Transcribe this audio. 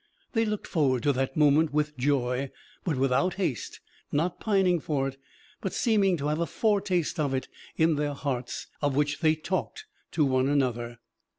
They looked forward to that moment with joy, but without haste, not pining for it, but seeming to have a foretaste of it in their hearts, of which they talked to one another.